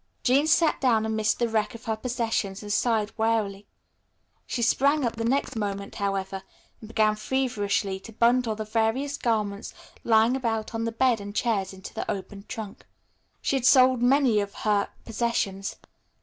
Jean sat down amidst the wreck of her possessions and sighed wearily. She sprang up the next moment, however, and began feverishly to bundle the various garments lying about on the bed and chairs into the open trunk. She had sold many of her possessions.